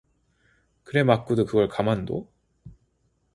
"그래 맞구두 그걸 가만 둬?"